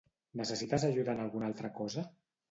Necessites ajuda en alguna altra cosa?